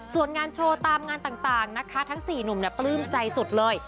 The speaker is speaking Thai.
ส่วนงานโชว์ตามงานต่างนะคะทั้ง๔หนุ่มปลื้มใจสุดเลย